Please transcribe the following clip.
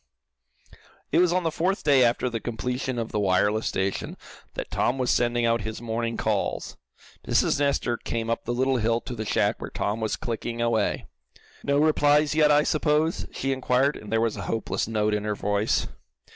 It was on the fourth day after the completion of the wireless station, that Tom was sending out his morning calls. Mrs. Nestor came up the little hill to the shack where Tom was clicking away. "No replies yet, I suppose?" she inquired, and there was a hopeless note in her voice.